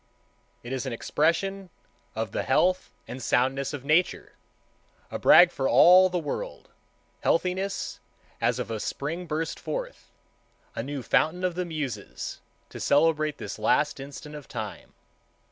It is an expression of the health and soundness of Nature, a brag for all the world,—healthiness as of a spring burst forth, a new fountain of the Muses, to celebrate this last instant of time.